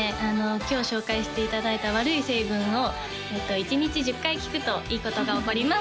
今日紹介していただいた「悪い成分」を１日１０回聴くといいことが起こります